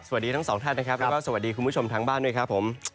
สวัสดีทั้งสองท่านนะครับแล้วก็สวัสดีคุณผู้ชมทางบ้านด้วยครับผม